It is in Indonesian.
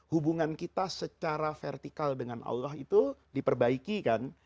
hubungan kita secara vertikal dengan allah itu diperbaiki kan